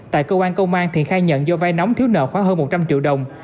tại cơ quan công an thiện khai nhận do vai nóng thiếu nợ khoảng hơn một trăm linh triệu đồng